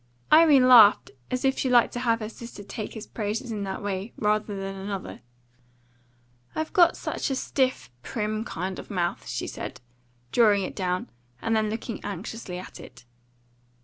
Irene laughed as if she liked to have her sister take his praises in that way rather than another. "I've got such a stiff, prim kind of mouth," she said, drawing it down, and then looking anxiously at it.